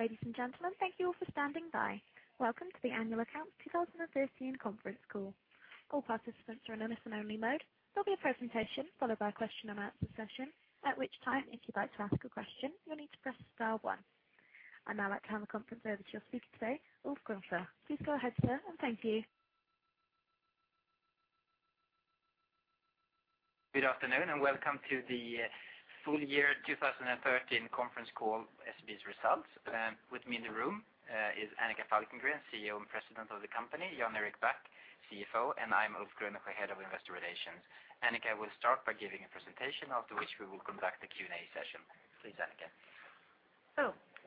Ladies and gentlemen, thank you all for standing by. Welcome to the annual accounts 2013 conference call. All participants are in a listen only mode. There will be a presentation followed by a question and answer session, at which time, if you would like to ask a question, you will need to press star one. I would now like to hand the conference over to your speaker today, Ulf Grunnesjö. Please go ahead, sir, and thank you. Good afternoon and welcome to the full year 2013 conference call SEB's results. With me in the room is Annika Falkengren, CEO and President of the company, Jan Erik Back, CFO, and I am Ulf Grunnesjö, Head of Investor Relations. Annika will start by giving a presentation, after which we will conduct a Q&A session. Please, Annika.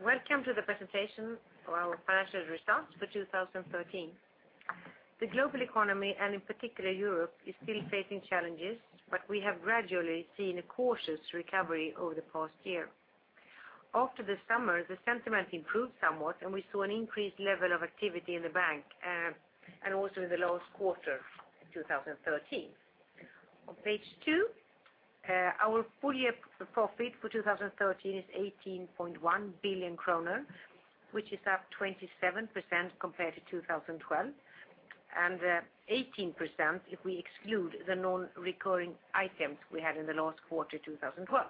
Welcome to the presentation for our financial results for 2013. The global economy and in particular Europe is still facing challenges, but we have gradually seen a cautious recovery over the past year. After the summer, the sentiment improved somewhat, and we saw an increased level of activity in the bank, and also in the last quarter in 2013. On page two, our full year profit for 2013 is 18.1 billion kronor, which is up 27% compared to 2012, and 18% if we exclude the non-recurring items we had in the last quarter 2012.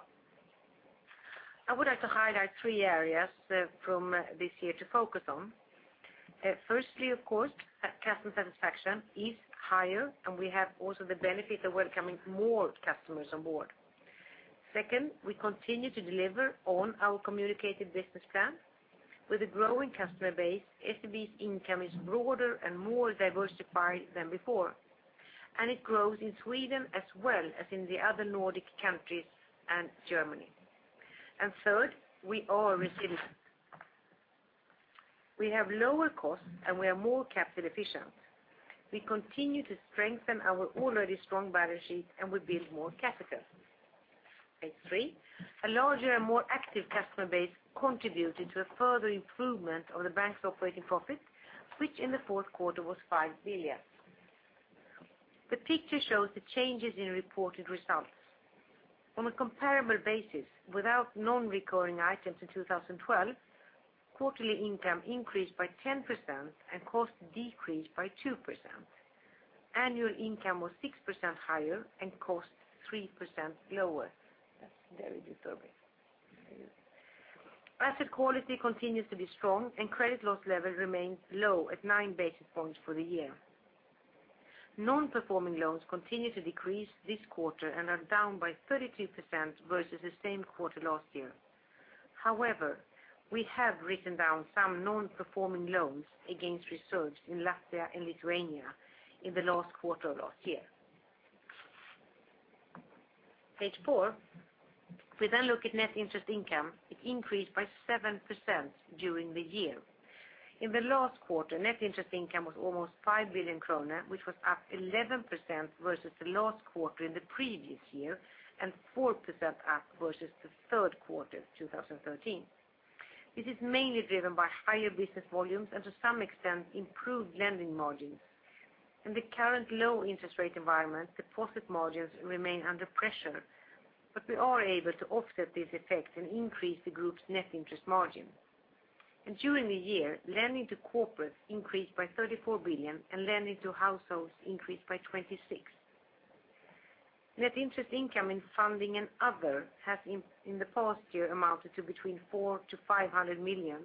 I would like to highlight three areas from this year to focus on. Firstly, of course, that customer satisfaction is higher, and we have also the benefit of welcoming more customers on board. Second, we continue to deliver on our communicated business plan. With a growing customer base, SEB's income is broader and more diversified than before, and it grows in Sweden as well as in the other Nordic countries and Germany. Third, we are resilient. We have lower costs, and we are more capital efficient. We continue to strengthen our already strong balance sheet, and we build more capital. Page three. A larger and more active customer base contributed to a further improvement of the bank's operating profit, which in the fourth quarter was 5 billion. The picture shows the changes in reported results. On a comparable basis, without non-recurring items in 2012, quarterly income increased by 10% and costs decreased by 2%. Annual income was 6% higher and costs 3% lower. That is very disturbing. Asset quality continues to be strong and credit loss levels remains low at nine basis points for the year. Non-performing loans continue to decrease this quarter and are down by 32% versus the same quarter last year. However, we have written down some non-performing loans against reserves in Latvia and Lithuania in the last quarter of last year. Page four. We then look at net interest income, it increased by 7% during the year. In the last quarter, net interest income was almost 5 billion kronor, which was up 11% versus the last quarter in the previous year and 4% up versus the third quarter of 2013. This is mainly driven by higher business volumes and to some extent improved lending margins. In the current low interest rate environment, deposit margins remain under pressure, but we are able to offset these effects and increase the group's net interest margin. During the year, lending to corporates increased by 34 billion and lending to households increased by 26 billion. Net interest income in funding and other has in the past year amounted to between 400 million-500 million,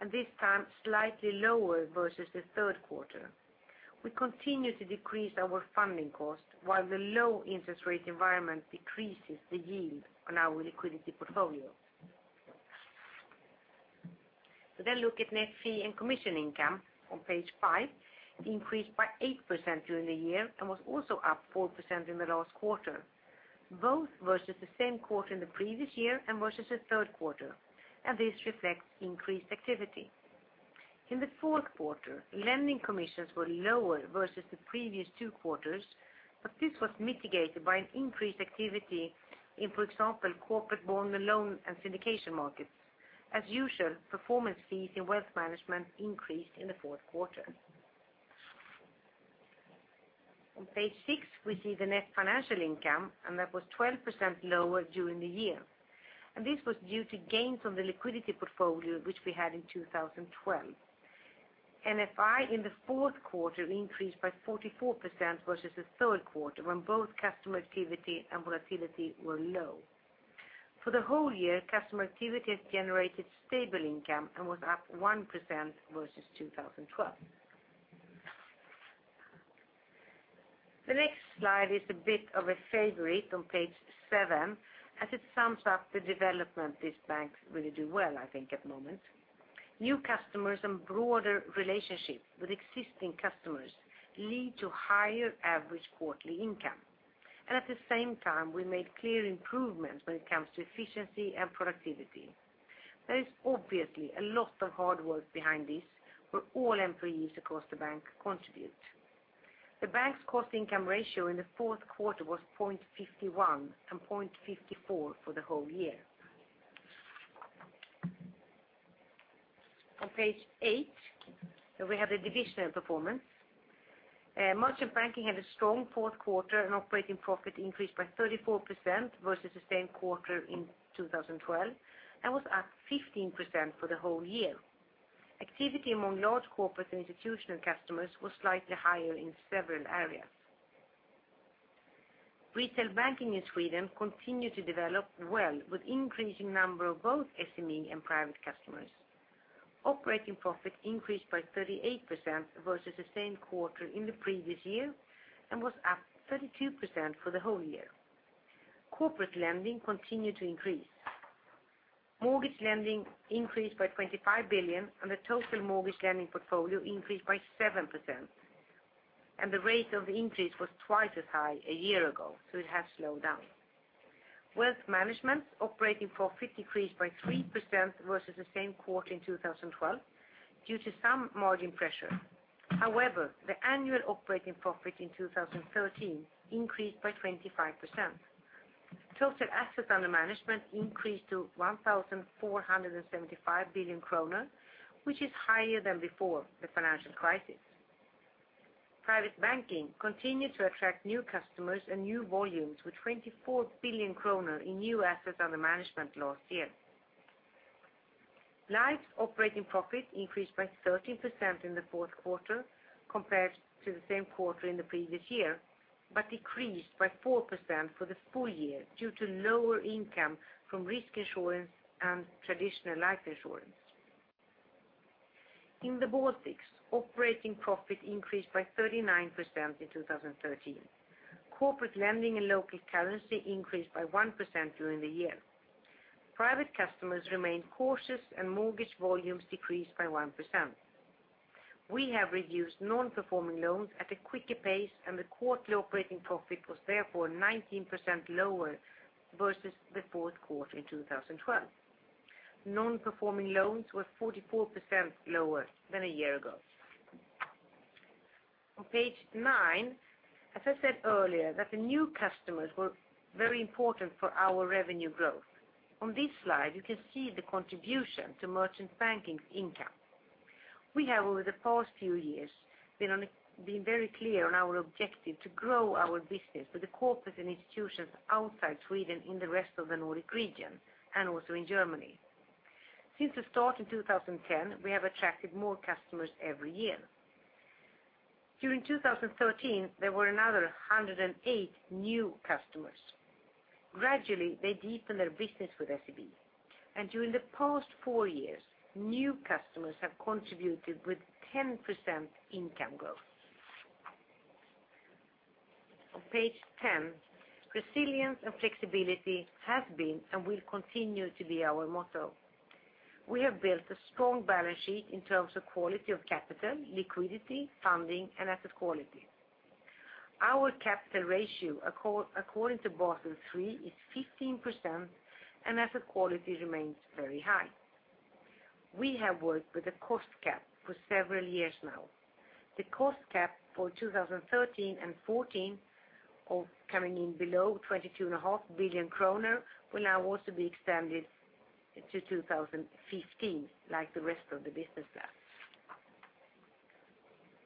and this time slightly lower versus the third quarter. We continue to decrease our funding cost while the low interest rate environment decreases the yield on our liquidity portfolio. We then look at net fee and commission income on page five. It increased by 8% during the year and was also up 4% in the last quarter, both versus the same quarter in the previous year and versus the third quarter. This reflects increased activity. In the fourth quarter, lending commissions were lower versus the previous two quarters, but this was mitigated by an increased activity in, for example, corporate bond loan and syndication markets. As usual, performance fees in wealth management increased in the fourth quarter. On page six, we see the net financial income. That was 12% lower during the year. This was due to gains on the liquidity portfolio which we had in 2012. NFI in the fourth quarter increased by 44% versus the third quarter when both customer activity and volatility were low. For the whole year, customer activity has generated stable income and was up 1% versus 2012. The next slide is a bit of a favorite on page seven as it sums up the development this bank really do well I think at the moment. New customers and broader relationships with existing customers lead to higher average quarterly income. At the same time, we made clear improvements when it comes to efficiency and productivity. There is obviously a lot of hard work behind this where all employees across the bank contribute. The bank's cost income ratio in the fourth quarter was 0.51 and 0.54 for the whole year. On page eight, we have the divisional performance. Merchant Banking had a strong fourth quarter. Operating profit increased by 34% versus the same quarter in 2012, and was up 15% for the whole year. Activity among large corporate and institutional customers was slightly higher in several areas. Retail Banking in Sweden continued to develop well, with increasing number of both SME and private customers. Operating profit increased by 38% versus the same quarter in the previous year, and was up 32% for the whole year. Corporate lending continued to increase. Mortgage lending increased by 25 billion, and the total mortgage lending portfolio increased by 7%. The rate of increase was twice as high a year ago, so it has slowed down. Wealth management operating profit decreased by 3% versus the same quarter in 2012 due to some margin pressure. The annual operating profit in 2013 increased by 25%. Total assets under management increased to 1,475 billion kronor, which is higher than before the financial crisis. Private banking continued to attract new customers and new volumes with 24 billion kronor in new assets under management last year. Life operating profit increased by 13% in the fourth quarter compared to the same quarter in the previous year, but decreased by 4% for the full year due to lower income from risk insurance and traditional life insurance. In the Baltics, operating profit increased by 39% in 2013. Corporate lending in local currency increased by 1% during the year. Private customers remained cautious, and mortgage volumes decreased by 1%. We have reduced non-performing loans at a quicker pace, and the quarterly operating profit was therefore 19% lower versus the fourth quarter in 2012. Non-performing loans were 44% lower than a year ago. On page nine, as I said earlier that the new customers were very important for our revenue growth. On this slide, you can see the contribution to Merchant Banking income. We have over the past few years been very clear on our objective to grow our business with the corporates and institutions outside Sweden in the rest of the Nordic region, and also in Germany. Since the start in 2010, we have attracted more customers every year. During 2013, there were another 108 new customers. Gradually, they deepen their business with SEB. During the past four years, new customers have contributed with 10% income growth. On page 10, resilience and flexibility have been and will continue to be our motto. We have built a strong balance sheet in terms of quality of capital, liquidity, funding, and asset quality. Our capital ratio according to Basel III is 15%, and asset quality remains very high. We have worked with a cost cap for several years now. The cost cap for 2013 and 2014 of coming in below 22.5 billion kronor will now also be extended to 2015 like the rest of the business plans.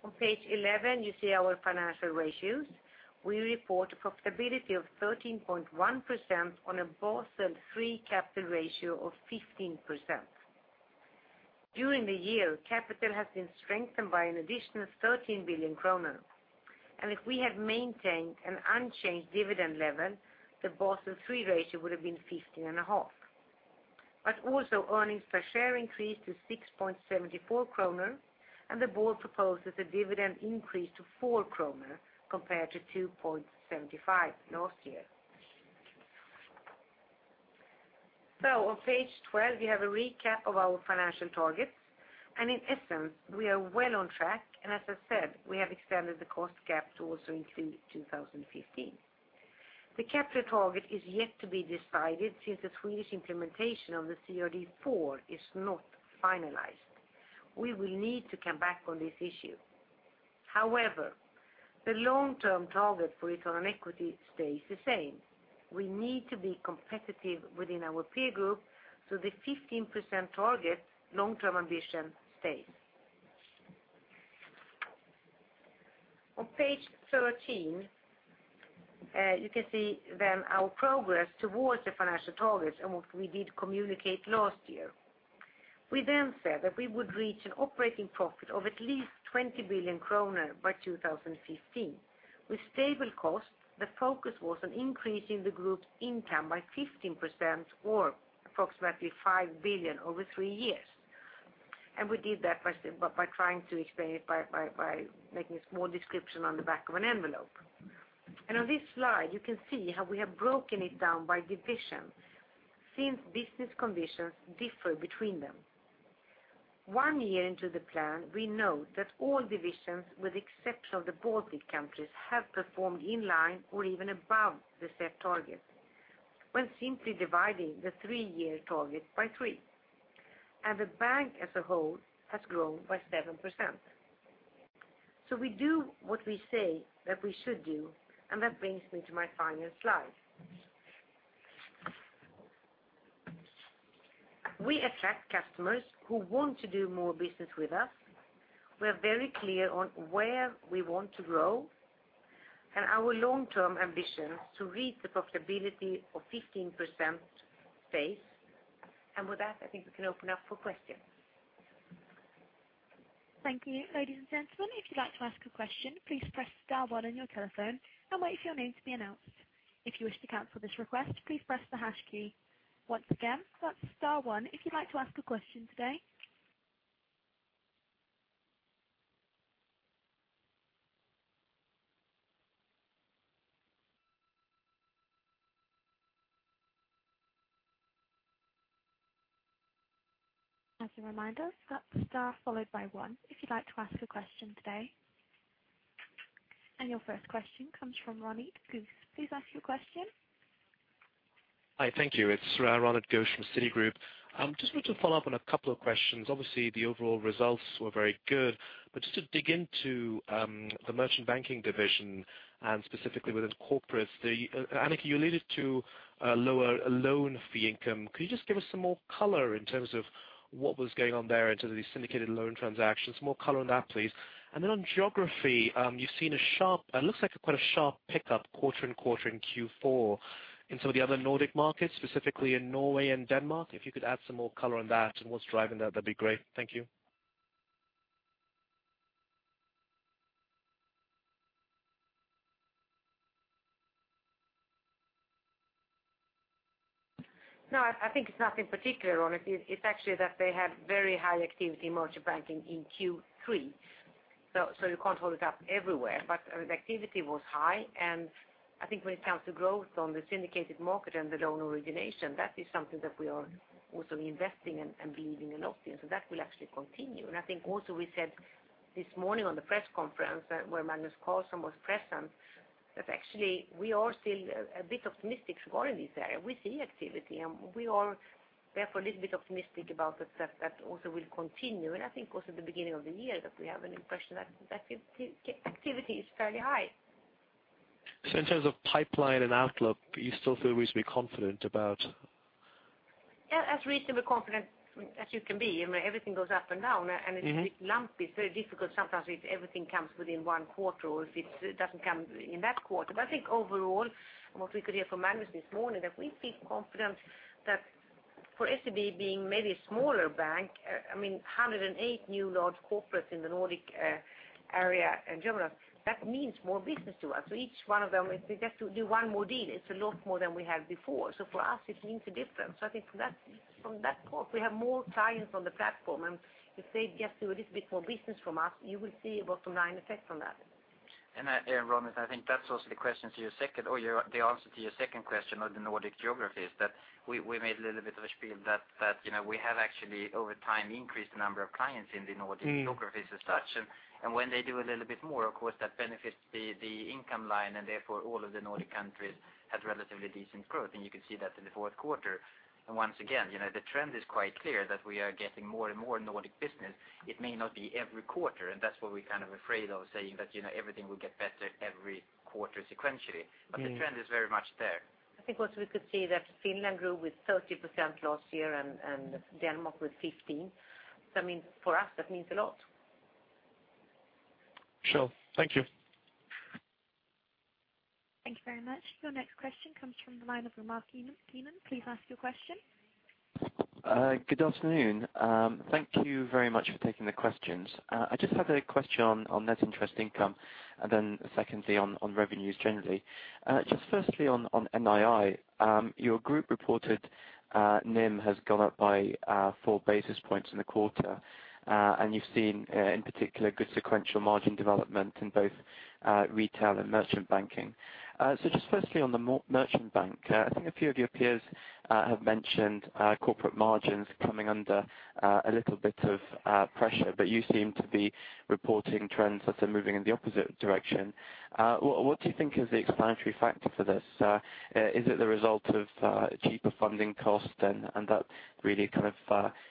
On page 11, you see our financial ratios. We report a profitability of 13.1% on a Basel III capital ratio of 15%. During the year, capital has been strengthened by an additional 13 billion kronor. If we had maintained an unchanged dividend level, the Basel III ratio would have been 15.5%. Earnings per share increased to 6.74 kronor, and the board proposes a dividend increase to 4 kronor compared to 2.75 last year. On page 12, we have a recap of our financial targets. In essence, we are well on track, and as I said, we have extended the cost cap to also include 2015. The capital target is yet to be decided since the Swedish implementation of the CRD IV is not finalized. We will need to come back on this issue. The long-term target for return on equity stays the same. We need to be competitive within our peer group, so the 15% target long-term ambition stays. On page 13, you can see then our progress towards the financial targets and what we did communicate last year. We said that we would reach an operating profit of at least 20 billion kronor by 2015. With stable costs, the focus was on increasing the group's income by 15% or approximately 5 billion over three years. We did that by trying to explain it by making a small description on the back of an envelope. On this slide, you can see how we have broken it down by divisions since business conditions differ between them. One year into the plan, we know that all divisions, with the exception of the Baltic countries, have performed in line or even above the set target when simply dividing the three-year target by three. The bank as a whole has grown by 7%. We do what we say that we should do, and that brings me to my final slide. We attract customers who want to do more business with us. We're very clear on where we want to grow and our long-term ambition to reach the profitability of 15% phase. With that, I think we can open up for questions. Thank you. Ladies and gentlemen, if you'd like to ask a question, please press star one on your telephone and wait for your name to be announced. If you wish to cancel this request, please press the hash key. Once again, that's star one if you'd like to ask a question today. As a reminder, that's star followed by one if you'd like to ask a question today. Your first question comes from Ronit Ghosh. Please ask your question. Hi, thank you. It's Ronit Ghosh from Citigroup. Just wanted to follow up on a couple of questions. Obviously, the overall results were very good, but just to dig into the merchant banking division and specifically within corporate. Annika, you alluded to lower loan fee income. Could you just give us some more color in terms of what was going on there in terms of these syndicated loan transactions? More color on that, please. Then on geography, you've seen a sharp, it looks like quite a sharp pickup quarter-on-quarter in Q4 in some of the other Nordic markets, specifically in Norway and Denmark. If you could add some more color on that and what's driving that'd be great. Thank you. No, I think it's nothing particular, Ronit. It's actually that they had very high activity in Merchant Banking in Q3, so you can't hold it up everywhere. The activity was high, and I think when it comes to growth on the syndicated market and the loan origination, that is something that we are also investing in and believing in often. That will actually continue. I think also we said this morning on the press conference where Magnus Carlsson was present, that actually we are still a bit optimistic to go in this area. We see activity, and we are therefore a little bit optimistic about the fact that also will continue. I think also the beginning of the year that we have an impression that the activity is fairly high. In terms of pipeline and outlook, you still feel reasonably confident about Yeah, as reasonably confident as you can be. Everything goes up and down, and it's a bit lumpy. It's very difficult sometimes if everything comes within one quarter or if it doesn't come in that quarter. I think overall, and what we could hear from Magnus this morning, that we feel confident that for SEB being maybe a smaller bank, 108 new large corporates in the Nordic area in general, that means more business to us. Each one of them, if they get to do one more deal, it's a lot more than we had before. For us, it means a difference. I think from that point, we have more clients on the platform, and if they get to do a little bit more business from us, you will see a bottom line effect from that. Ronit, I think that's also the answer to your second question on the Nordic geographies, that we made a little bit of a spiel that we have actually, over time, increased the number of clients in the Nordic geographies as such. When they do a little bit more, of course, that benefits the income line, and therefore all of the Nordic countries had relatively decent growth. You can see that in the fourth quarter. Once again, the trend is quite clear that we are getting more and more Nordic business. It may not be every quarter, and that's what we're afraid of saying that everything will get better every quarter sequentially. The trend is very much there. I think also we could see that Finland grew with 30% last year and Denmark with 15%. For us, that means a lot. Sure. Thank you. Thank you very much. Your next question comes from the line of Romak Lehman. Please ask your question. Good afternoon. Thank you very much for taking the questions. I just had a question on net interest income and then secondly on revenues generally. Just firstly on NII, your group reported NIM has gone up by four basis points in the quarter. You've seen, in particular, good sequential margin development in both retail and Merchant Banking. Just firstly on the Merchant Bank, I think a few of your peers have mentioned corporate margins coming under a little bit of pressure, but you seem to be reporting trends that are moving in the opposite direction. What do you think is the explanatory factor for this? Is it the result of cheaper funding costs and that really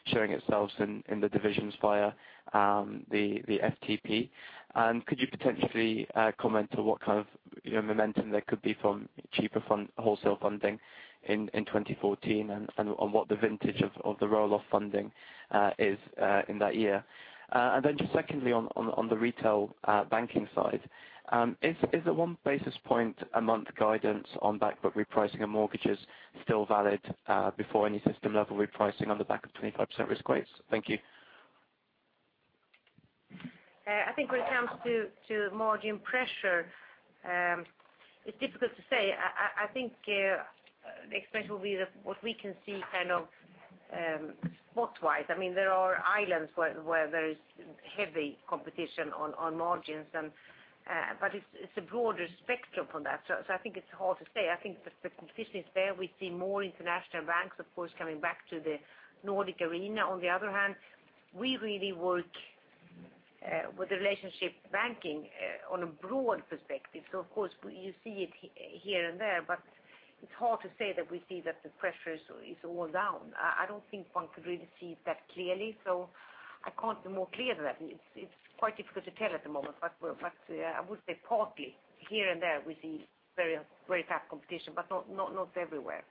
showing itself in the divisions via the FTP? Could you potentially comment on what kind of momentum there could be from cheaper wholesale funding in 2014 and on what the vintage of the roll-off funding is in that year? Secondly on the retail banking side. Is the one basis point a month guidance on back book repricing of mortgages still valid before any system-level repricing on the back of 25% risk weights? Thank you. I think when it comes to margin pressure it's difficult to say. I think the expression will be that what we can see spot-wise. There are islands where there is heavy competition on margins, but it's a broader spectrum than that. I think it's hard to say. I think the competition is there. We see more international banks, of course, coming back to the Nordic arena. On the other hand, we really work with relationship banking on a broad perspective. Of course, you see it here and there, but it's hard to say that we see that the pressure is all down. I don't think one could really see it that clearly. I can't be more clear than that. It's quite difficult to tell at the moment, but I would say partly here and there we see very tough competition, but not everywhere.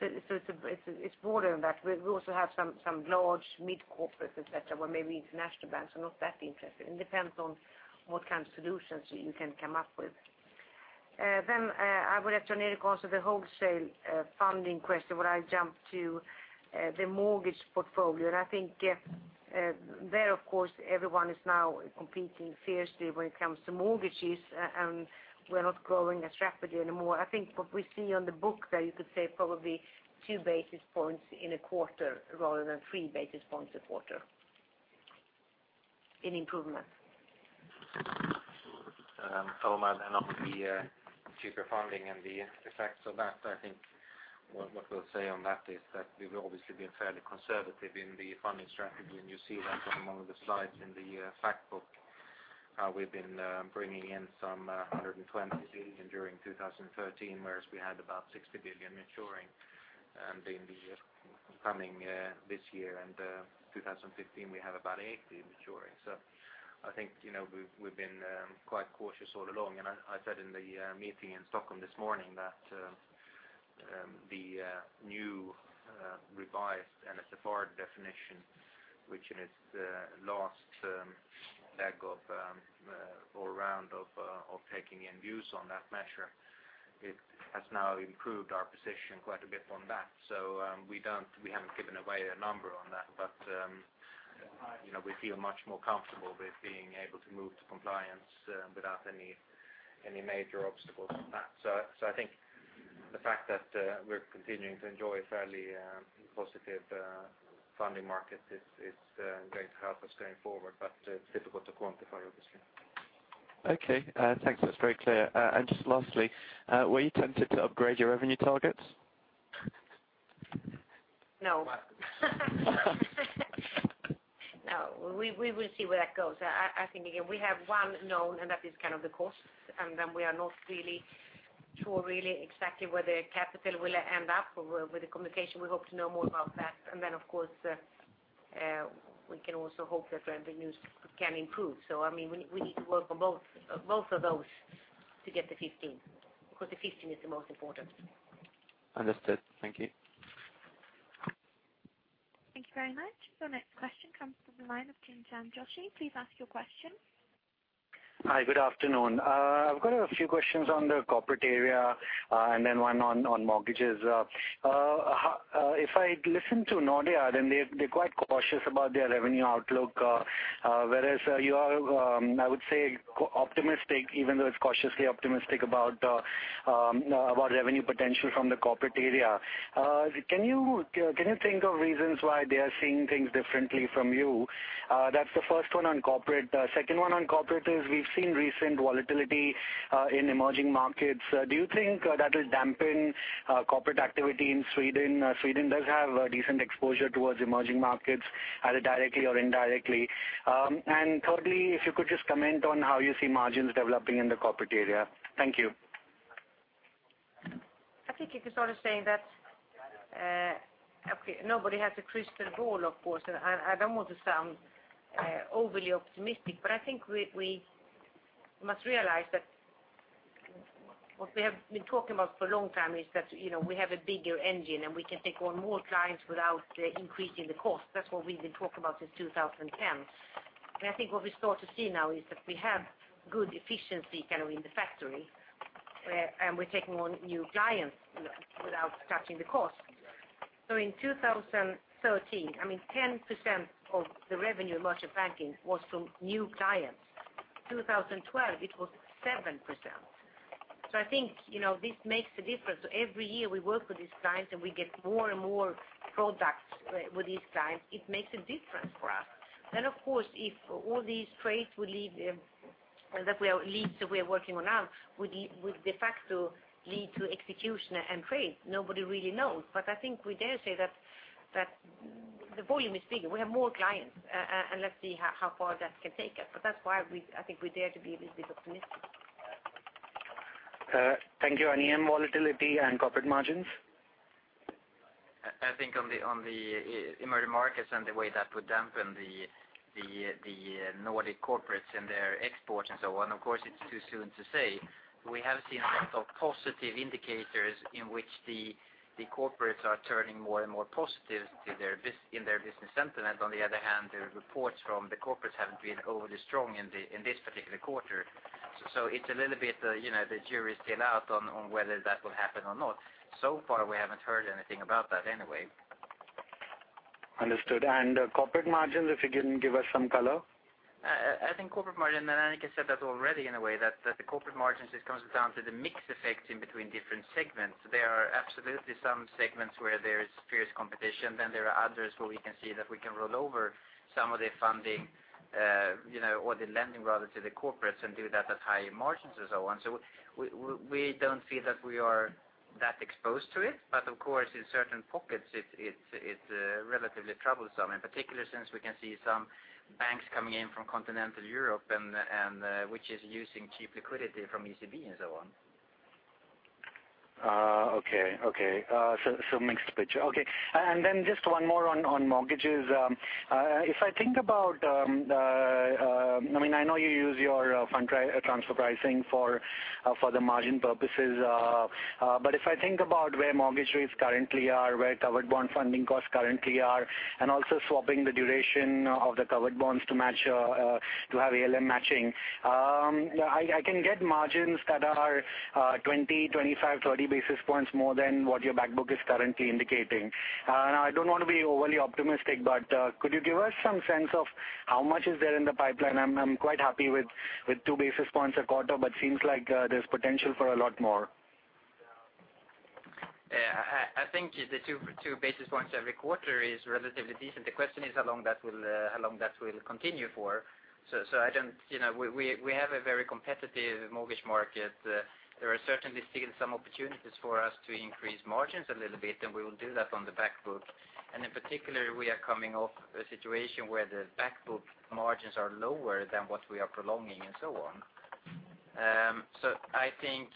It's broader than that. We also have some large mid-corporates, et cetera, where maybe international banks are not that interested. It depends on what kind of solutions you can come up with. I would let Jan Erik answer the wholesale funding question where I jump to the mortgage portfolio. I think there, of course, everyone is now competing fiercely when it comes to mortgages, and we're not growing as rapidly anymore. I think what we see on the book there, you could say probably two basis points in a quarter rather than three basis points a quarter in improvement. I'll add on the cheaper funding and the effects of that. I think what we'll say on that is that we've obviously been fairly conservative in the funding strategy, and you see that on one of the slides in the fact book, how we've been bringing in some 120 billion during 2013, whereas we had about 60 billion maturing. In the coming this year and 2015, we have about 80 maturing. I think we've been quite cautious all along, and I said in the meeting in Stockholm this morning that the new revised NSFR definition, which in its last leg of or round of taking in views on that measure, it has now improved our position quite a bit on that. We haven't given away a number on that. We feel much more comfortable with being able to move to compliance without any major obstacles on that. I think the fact that we're continuing to enjoy fairly positive funding markets is going to help us going forward. It's difficult to quantify, obviously. Okay, thanks. That's very clear. Just lastly, were you tempted to upgrade your revenue targets? No. No. We will see where that goes. I think again, we have one known, and that is the cost, and then we are not really sure exactly where the capital will end up with the communication. We hope to know more about that. Then of course, we can also hope that revenues can improve. We need to work on both of those to get the 15 because the 15 is the most important. Understood. Thank you. Thank you very much. The next question comes from the line of Chintan Joshi. Please ask your question. Hi, good afternoon. I've got a few questions on the corporate area, then one on mortgages. If I listen to Nordea, they're quite cautious about their revenue outlook, whereas you are, I would say, optimistic, even though it's cautiously optimistic about revenue potential from the corporate area. Can you think of reasons why they are seeing things differently from you? That's the first one on corporate. Second one on corporate is we've seen recent volatility in emerging markets. Do you think that will dampen corporate activity in Sweden? Sweden does have a decent exposure towards emerging markets, either directly or indirectly. Thirdly, if you could just comment on how you see margins developing in the corporate area. Thank you. I think you can start to say that nobody has a crystal ball, of course, I don't want to sound overly optimistic, I think we must realize that what we have been talking about for a long time is that we have a bigger engine, We can take on more clients without increasing the cost. That's what we've been talking about since 2010. I think what we start to see now is that we have good efficiency in the factory, We're taking on new clients without touching the cost. In 2013, 10% of the revenue in Merchant Banking was from new clients. In 2012, it was 7%. I think this makes a difference. Every year we work with these clients, We get more and more products with these clients. It makes a difference for us. Of course, if all these trades would leave, that were leads that we are working on now would de facto lead to execution and trade. Nobody really knows. I think we dare say that the volume is bigger. We have more clients, Let's see how far that can take us. That's why I think we dare to be a little bit optimistic. Thank you. Jan, volatility and corporate margins? I think on the emerging markets and the way that would dampen the Nordic corporates and their exports and so on, of course, it's too soon to say. We have seen a lot of positive indicators in which the corporates are turning more and more positive in their business sentiment. On the other hand, the reports from the corporates haven't been overly strong in this particular quarter. It's a little bit the jury's still out on whether that will happen or not. So far we haven't heard anything about that anyway. Understood. Corporate margins, if you can give us some color? I think corporate margin, Annika said that already in a way, that the corporate margins, this comes down to the mix effect in between different segments. There are absolutely some segments where there's fierce competition. There are others where we can see that we can roll over some of the funding or the lending rather to the corporates and do that at higher margins and so on. We don't feel that we are that exposed to it. Of course, in certain pockets it's relatively troublesome, in particular since we can see some banks coming in from continental Europe which is using cheap liquidity from ECB and so on. Okay. Mixed picture. Okay. Then just one more on mortgages. I know you use your fund transfer pricing for the margin purposes, but if I think about where mortgage rates currently are, where covered bond funding costs currently are, and also swapping the duration of the covered bonds to have ALM matching, I can get margins that are 20, 25, 30 basis points more than what your back book is currently indicating. I don't want to be overly optimistic, but could you give us some sense of how much is there in the pipeline? I'm quite happy with two basis points a quarter, but seems like there's potential for a lot more. I think the two basis points every quarter is relatively decent. The question is how long that will continue for. We have a very competitive mortgage market. There are certainly still some opportunities for us to increase margins a little bit, and we will do that on the back book. In particular, we are coming off a situation where the back book margins are lower than what we are prolonging, and so on. I think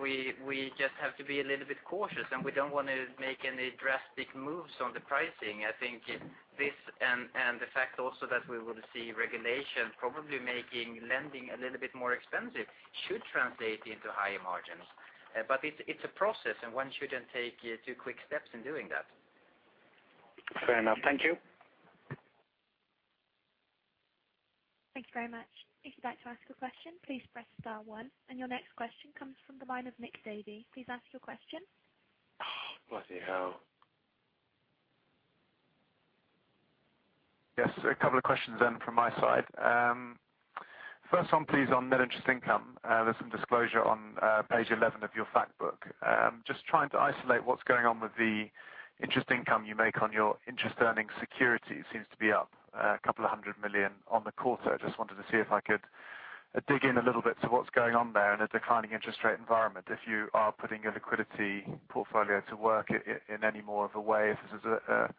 we just have to be a little bit cautious, and we don't want to make any drastic moves on the pricing. I think this, and the fact also that we will see regulations probably making lending a little bit more expensive should translate into higher margins. It's a process, and one shouldn't take two quick steps in doing that. Fair enough. Thank you. Thank you very much. If you'd like to ask a question, please press star one. Your next question comes from the line of Nick Davey. Please ask your question. Oh, bloody hell. Yes, a couple of questions from my side. First one, please, on net interest income. There is some disclosure on page 11 of your fact book. Trying to isolate what is going on with the interest income you make on your interest earning security. Seems to be up SEK a couple of hundred million on the quarter. Wanted to see if I could dig in a little bit to what is going on there in a declining interest rate environment. If you are putting your liquidity portfolio to work in any more of a way, if this is a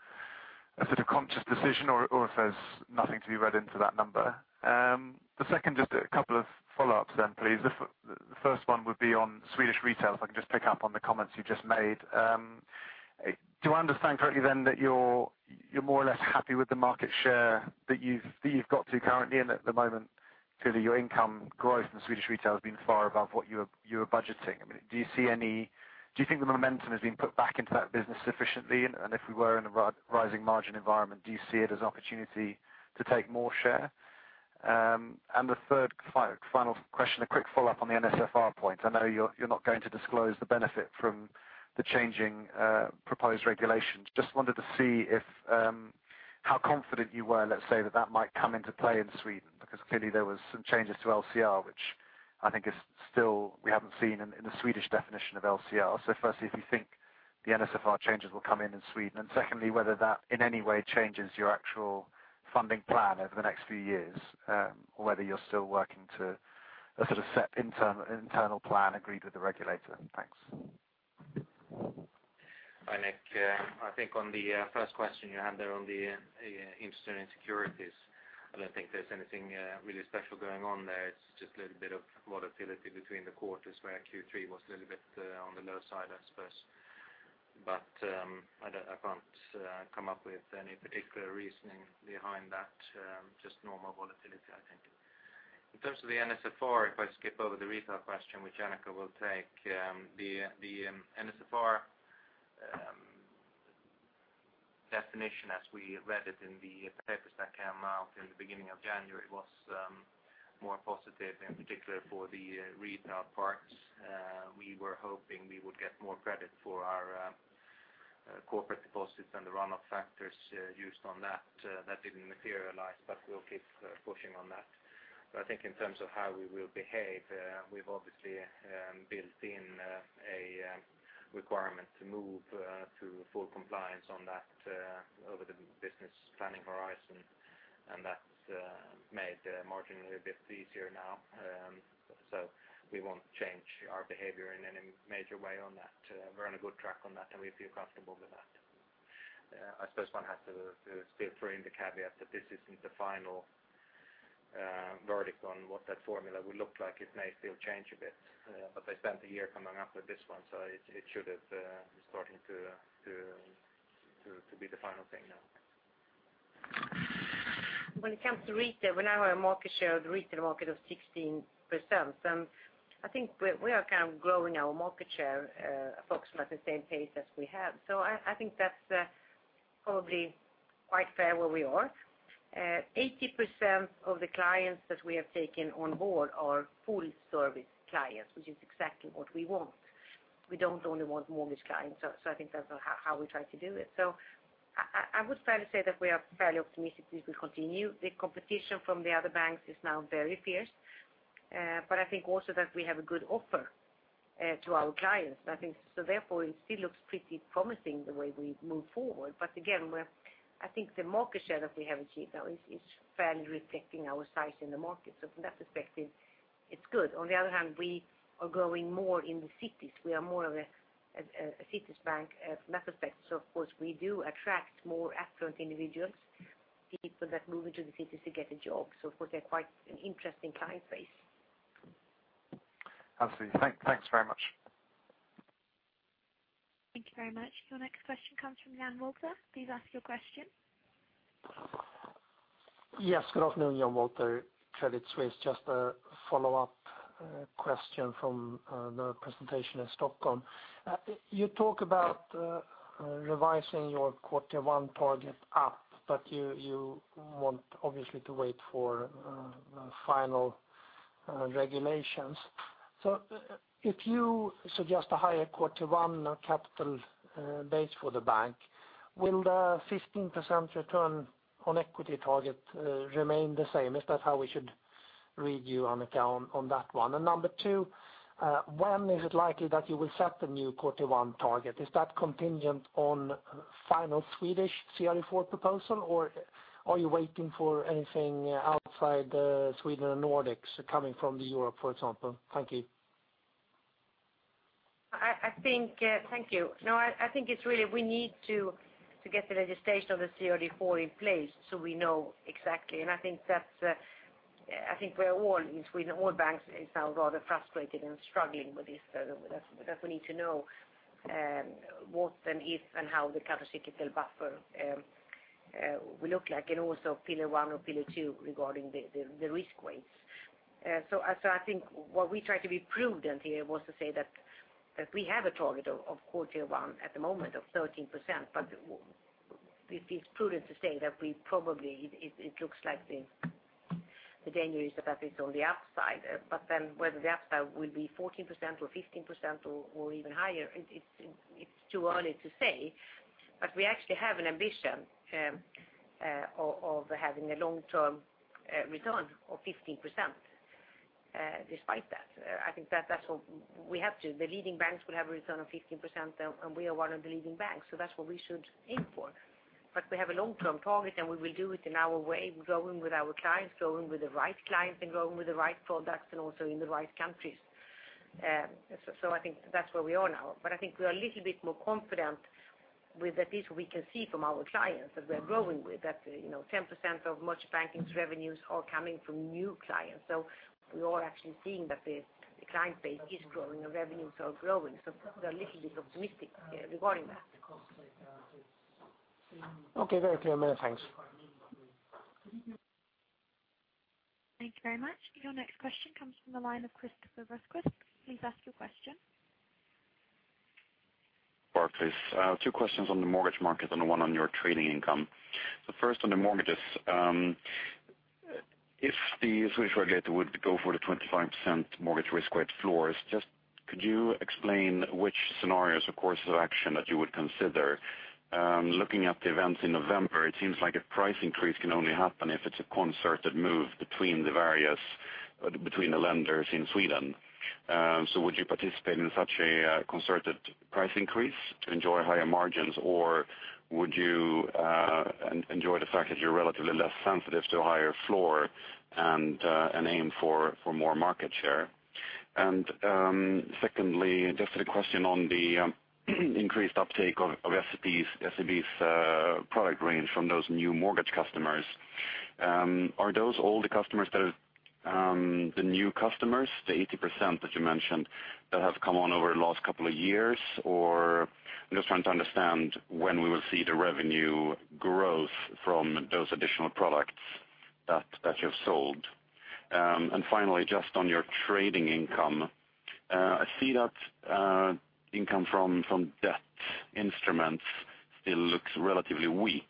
sort of conscious decision or if there is nothing to be read into that number. The second, a couple of follow-ups, please. The first one would be on Swedish retail, if I can pick up on the comments you made. Do I understand correctly that you are more or less happy with the market share that you have got to currently? At the moment, clearly your income growth in Swedish retail has been far above what you were budgeting. Do you think the momentum has been put back into that business sufficiently? If we were in a rising margin environment, do you see it as an opportunity to take more share? The third final question, a quick follow-up on the NSFR point. I know you are not going to disclose the benefit from the changing proposed regulations. Wanted to see how confident you were, let's say, that that might come into play in Sweden, because clearly there was some changes to LCR, which I think we haven't seen in the Swedish definition of LCR. Firstly, if you think the NSFR changes will come in in Sweden, and secondly, whether that in any way changes your actual funding plan over the next few years, or whether you are still working to a sort of set internal plan agreed with the regulator. Thanks. Hi, Nick. I think on the first question you had there on the interest earning securities, I do not think there is anything really special going on there. It is a little bit of volatility between the quarters where Q3 was a little bit on the lower side, I suppose. I can't come up with any particular reasoning behind that. Normal volatility, I think. In terms of the NSFR, if I skip over the retail question, which Annika will take, the NSFR definition as we read it in the papers that came out in the beginning of January was more positive, in particular for the retail parts. We were hoping we would get more credit for our corporate deposits and the run-off factors used on that. That didn't materialize, we will keep pushing on that. I think in terms of how we will behave we've obviously built in a requirement to move to full compliance on that over the business planning horizon, and that's made margin a little bit easier now. We won't change our behavior in any major way on that. We're on a good track on that, and we feel comfortable with that. I suppose one has to still throw in the caveat that this isn't the final verdict on what that formula will look like. It may still change a bit. They spent a year coming up with this one, so it should be starting to be the final thing now. When it comes to retail, we now have a market share of the retail market of 16%. I think we are kind of growing our market share approximately the same pace as we have. I think that's probably quite fair where we are. 80% of the clients that we have taken on board are full service clients, which is exactly what we want. We don't only want mortgage clients. I think that's how we try to do it. I would fairly say that we are fairly optimistic this will continue. The competition from the other banks is now very fierce. I think also that we have a good offer to our clients. Therefore, it still looks pretty promising the way we move forward. Again, I think the market share that we have achieved now is fairly reflecting our size in the market. From that perspective, it's good. On the other hand, we are growing more in the cities. We are more of a cities bank from that perspective. Of course, we do attract more affluent individuals People that move into the cities to get a job. Of course, they're quite an interesting client base. Absolutely. Thanks very much. Thank you very much. Your next question comes from Jan Walter. Please ask your question. Yes, good afternoon. Jan Walter, Credit Suisse. Just a follow-up question from the presentation in Stockholm. If you suggest a higher quarter one capital base for the bank, will the 15% return on equity target remain the same? Is that how we should read you on account on that one? Number two, when is it likely that you will set the new quarter one target? Is that contingent on final Swedish CRD4 proposal, or are you waiting for anything outside Sweden and Nordics coming from Europe, for example? Thank you. Thank you. I think it is really we need to get the legislation of the CRD4 in place so we know exactly. I think we are all in Sweden, all banks are now rather frustrated and struggling with this because we need to know what and if and how the countercyclical buffer will look like, and also Pillar 1 or Pillar 2 regarding the risk weights. I think what we tried to be prudent here was to say that we have a target of quarter one at the moment of 13%, but it feels prudent to say that probably it looks like the danger is that that is on the upside. Whether the upside will be 14% or 15% or even higher, it is too early to say. We actually have an ambition of having a long-term return of 15% despite that. I think that's what we have to. The leading banks will have a return of 15%, and we are one of the leading banks, so that's what we should aim for. We have a long-term target, and we will do it in our way, growing with our clients, growing with the right clients, and growing with the right products and also in the right countries. So I think that's where we are now. But I think we are a little bit more confident with at least we can see from our clients that we are growing with, that 10% of Merchant Banking's revenues are coming from new clients. So we are actually seeing that the client base is growing and revenues are growing. So we're a little bit optimistic regarding that. Okay. Very clear, Annika. Thanks. Thank you very much. Your next question comes from the line of Christopher Ruskvist. Please ask your question. Barclays. Two questions on the mortgage market and one on your trading income. So first on the mortgages. If the Swedish regulator would go for the 25% mortgage risk weight floors, could you explain which scenarios or courses of action that you would consider? Looking at the events in November, it seems like a price increase can only happen if it's a concerted move between the lenders in Sweden. So would you participate in such a concerted price increase to enjoy higher margins, or would you enjoy the fact that you're relatively less sensitive to a higher floor and aim for more market share? Secondly, just a question on the increased uptake of SEB's product range from those new mortgage customers. Are those all the customers that are the new customers, the 80% that you mentioned that have come on over the last couple of years? I'm just trying to understand when we will see the revenue growth from those additional products that you've sold. Finally, just on your trading income. I see that income from debt instruments still looks relatively weak.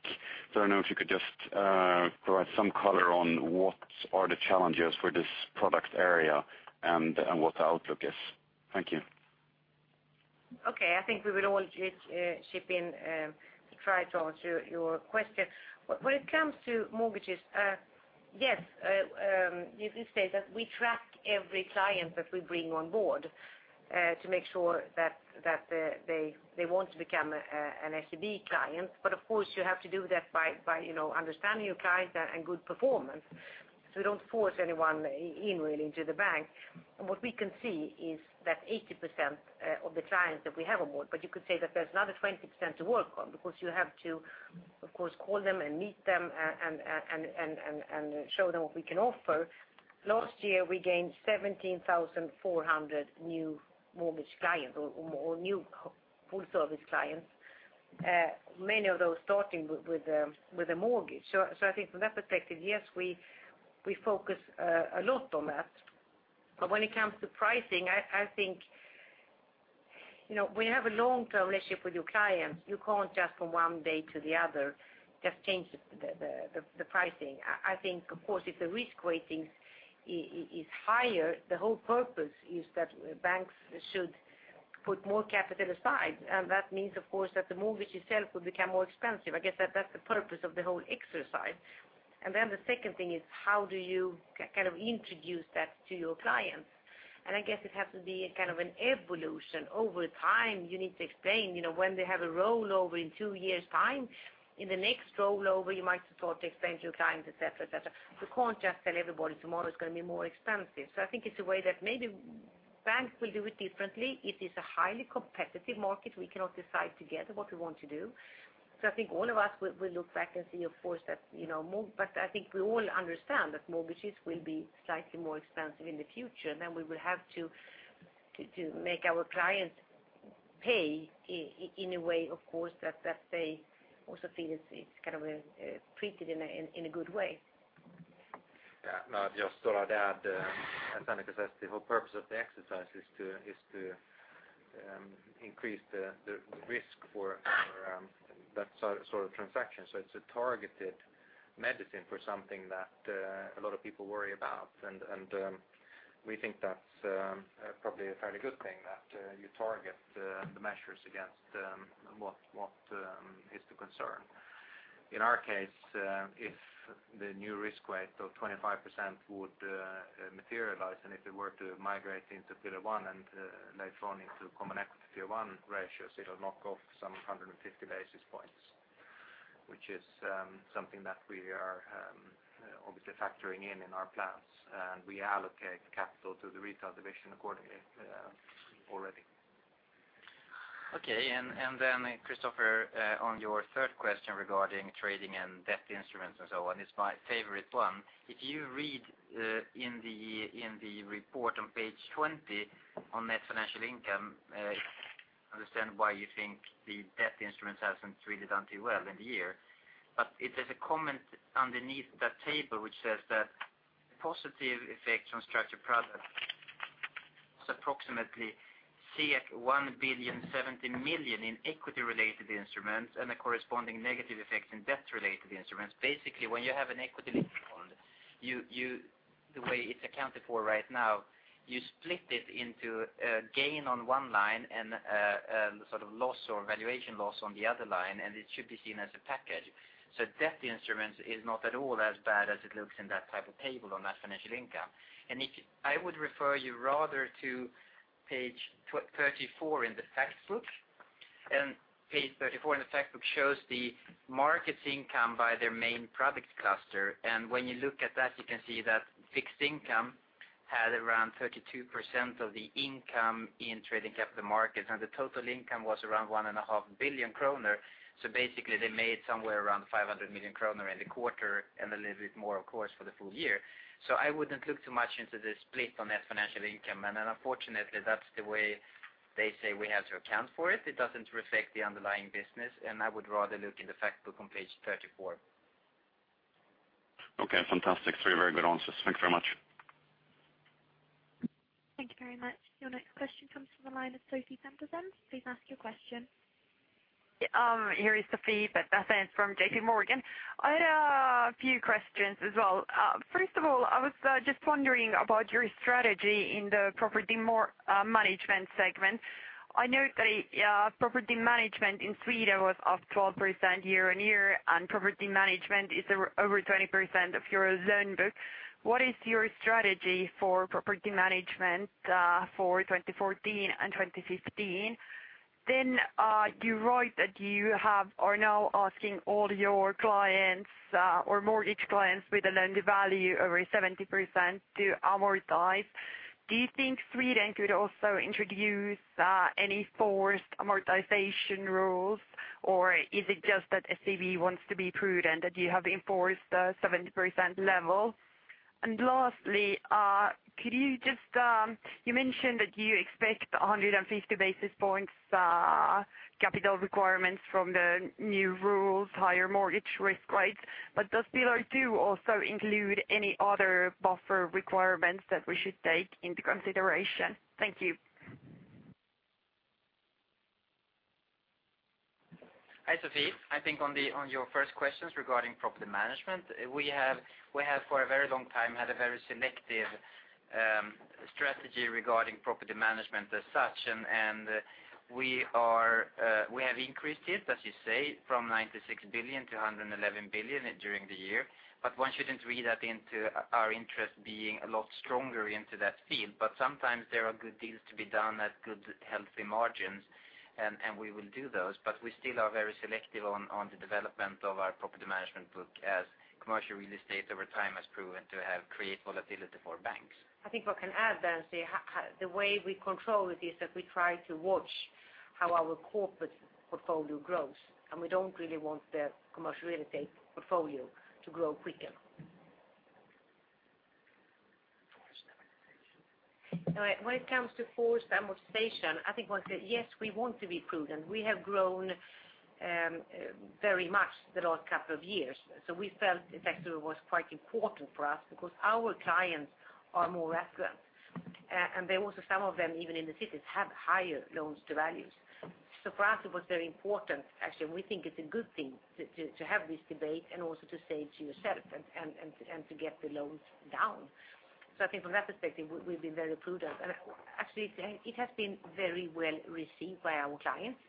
I don't know if you could just provide some color on what are the challenges for this product area and what the outlook is. Thank you. Okay. I think we will all chip in to try to answer your question. When it comes to mortgages, yes, you could say that we track every client that we bring on board to make sure that they want to become an SEB client. Of course, you have to do that by understanding your clients and good performance. We don't force anyone in really into the bank. What we can see is that 80% of the clients that we have on board, but you could say that there's another 20% to work on because you have to, of course, call them and meet them and show them what we can offer. Last year, we gained 17,400 new mortgage clients or new full service clients. Many of those starting with a mortgage. I think from that perspective, yes, we focus a lot on that. When it comes to pricing, I think when you have a long-term relationship with your clients, you can't just from one day to the other just change the pricing. I think, of course, if the risk weighting is higher, the whole purpose is that banks should put more capital aside, and that means, of course, that the mortgage itself will become more expensive. I guess that's the purpose of the whole exercise. Then the second thing is how do you kind of introduce that to your clients? I guess it has to be a kind of an evolution. Over time you need to explain when they have a rollover in two years' time. In the next rollover, you might start to explain to your clients, et cetera. You can't just tell everybody tomorrow it's going to be more expensive. I think it's a way that Banks will do it differently. It is a highly competitive market. We cannot decide together what we want to do. I think all of us will look back and see, of course. I think we all understand that mortgages will be slightly more expensive in the future. We will have to make our clients pay in a way, of course, that they also feel it's treated in a good way. Just to add, as Annika says, the whole purpose of the exercise is to increase the risk for that sort of transaction. It's a targeted medicine for something that a lot of people worry about, and we think that's probably a fairly good thing that you target the measures against what is the concern. In our case, if the new risk weight of 25% would materialize, and if it were to migrate into Pillar 1 and later on into common equity of Pillar 1 ratios, it'll knock off some 150 basis points. Which is something that we are obviously factoring in our plans, and we allocate capital to the retail division accordingly already. Okay. Christopher, on your third question regarding trading and debt instruments and so on, it's my favorite one. If you read in the report on page 20 on net financial income, I understand why you think the debt instruments hasn't really done too well in the year. There's a comment underneath that table, which says that the positive effect from structured products was approximately 1,070,000,000 in equity-related instruments and a corresponding negative effect in debt-related instruments. Basically, when you have an equity linked bond, the way it's accounted for right now, you split it into a gain on one line and a loss or valuation loss on the other line, and it should be seen as a package. Debt instruments is not at all as bad as it looks in that type of table on net financial income. I would refer you rather to page 34 in the fact book. Page 34 in the fact book shows the markets income by their main product cluster. When you look at that, you can see that fixed income had around 32% of the income in trading capital markets, and the total income was around 1.5 billion kronor. Basically, they made somewhere around 500 million kronor in the quarter and a little bit more, of course, for the full year. I wouldn't look too much into the split on net financial income. Unfortunately, that's the way they say we have to account for it. It doesn't reflect the underlying business, and I would rather look in the fact book on page 34. Okay, fantastic. Three very good answers. Thanks very much. Thank you very much. Your next question comes from the line of Sofie Peterzens. Please ask your question. Here is Sofie Peterzens from JP Morgan. I had a few questions as well. First of all, I was just wondering about your strategy in the property management segment. I note that property management in Sweden was up 12% year-over-year, and property management is over 20% of your loan book. What is your strategy for property management for 2014 and 2015? You wrote that you are now asking all your clients or mortgage clients with a loan-to-value over 70% to amortize. Do you think Sweden could also introduce any forced amortization rules, or is it just that SEB wants to be prudent that you have enforced a 70% level? Lastly, you mentioned that you expect 150 basis points capital requirements from the new rules, higher mortgage risk rates. Does Pillar 2 also include any other buffer requirements that we should take into consideration? Thank you. Hi, Sofie. I think on your first questions regarding property management, we have for a very long time had a very selective strategy regarding property management as such. We have increased it, as you say, from 96 billion to 111 billion during the year. One shouldn't read that into our interest being a lot stronger into that field. Sometimes there are good deals to be done at good, healthy margins, and we will do those. We still are very selective on the development of our property management book, as commercial real estate over time has proven to create volatility for banks. I think what can add there and say, the way we control it is that we try to watch how our corporate portfolio grows, and we don't really want the commercial real estate portfolio to grow quicker. When it comes to forced amortization, I think one said, yes, we want to be prudent. We have grown very much the last couple of years. We felt it actually was quite important for us because our clients are more affluent. Also some of them, even in the cities, have higher loans to values. For us, it was very important actually, and we think it's a good thing to have this debate and also to say to yourself and to get the loans down. I think from that perspective, we've been very prudent. Actually, it has been very well received by our clients.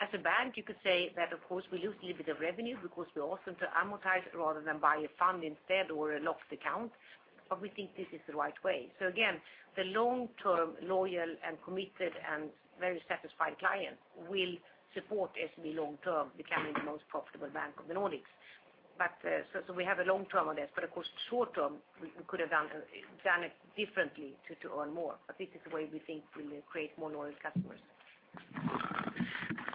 As a bank, you could say that of course we lose a little bit of revenue because we ask them to amortize rather than buy a fund instead or a locked account. We think this is the right way. Again, the long-term loyal and committed and very satisfied client will support SEB long term becoming the most profitable bank of the Nordics. We have a long term on this, but of course short term, we could have done it differently to earn more. This is the way we think we create more loyal customers.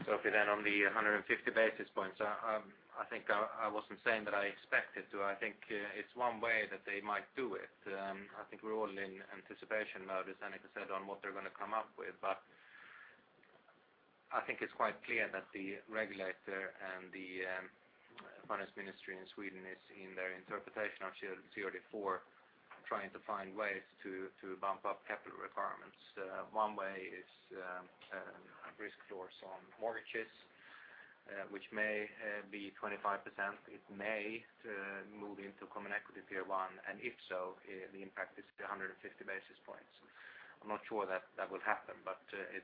Okay, on the 150 basis points, I think I wasn't saying that I expect it to. I think it's one way that they might do it. I think we're all in anticipation mode as Annika said on what they're going to come up with. I think it's quite clear that the regulator and the finance ministry in Sweden is in their interpretation of CRD4, trying to find ways to bump up capital requirements. One way is risk floors on mortgages which may be 25%. It may move into Common Equity Tier 1, and if so, the impact is 150 basis points. I'm not sure that will happen, but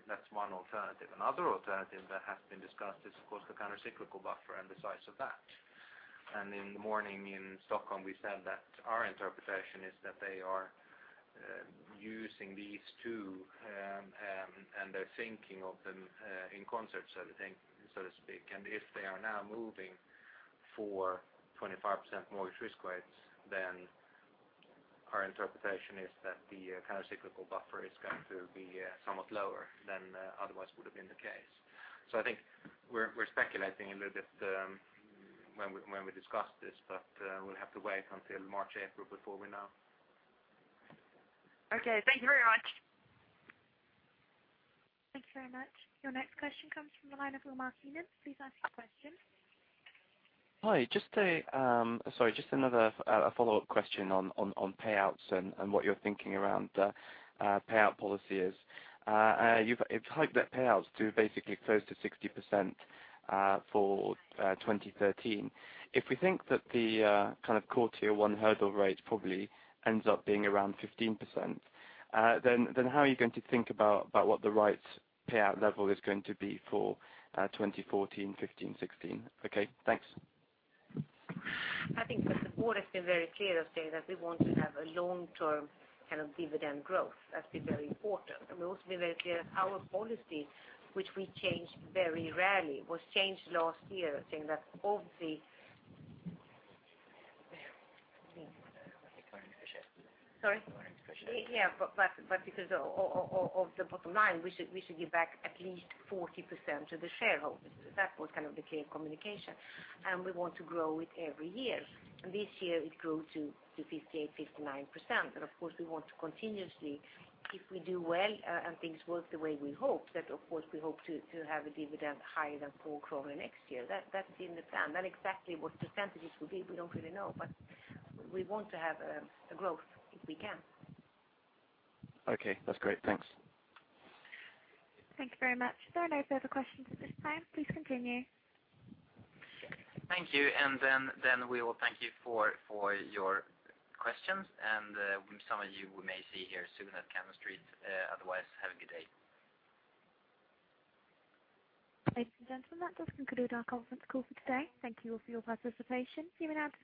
that's one alternative. Another alternative that has been discussed is, of course, the countercyclical buffer and the size of that. In the morning in Stockholm, we said that our interpretation is that they are using these two, and they're thinking of them in concert setting, so to speak. If they are now moving for 25% mortgage risk weights, then our interpretation is that the countercyclical buffer is going to be somewhat lower than otherwise would have been the case. I think we're speculating a little bit when we discuss this, but we'll have to wait until March, April before we know. Okay. Thank you very much. Thank you very much. Your next question comes from the line of Omar Kinaan. Please ask your question. Hi, just another follow-up question on payouts and what you're thinking around payout policy is. You've hiked that payouts to basically close to 60% for 2013. If we think that the core tier 1 hurdle rate probably ends up being around 15%, how are you going to think about what the right payout level is going to be for 2014, 2015, 2016? Okay, thanks. I think that the board has been very clear of saying that we want to have a long-term dividend growth. That's been very important. We've also been very clear our policy, which we change very rarely, was changed last year saying that of the Sorry? Yeah. Because of the bottom line, we should give back at least 40% to the shareholders. That was the clear communication, and we want to grow it every year. This year, it grew to 58%, 59%. Of course, we want to continuously, if we do well and things work the way we hope, that of course, we hope to have a dividend higher than 4 kronor next year. That's in the plan. Exactly what the percentages will be, we don't really know, but we want to have a growth if we can. Okay. That's great. Thanks. Thank you very much. There are no further questions at this time. Please continue. Thank you. We will thank you for your questions, some of you we may see here soon at Cannon Street. Otherwise, have a good day. Ladies and gentlemen, that does conclude our conference call for today. Thank you all for your participation. You may now disconnect.